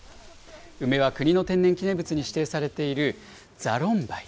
梅は国の天然記念物に指定されている座論梅。